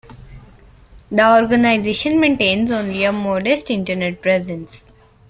The organization maintains only a modest internet presence.